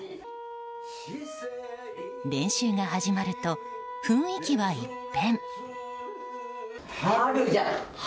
練習が始まると、雰囲気は一変。